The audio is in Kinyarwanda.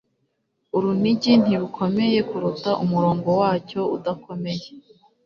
Urunigi ntirukomeye kuruta umurongo wacyo udakomeye.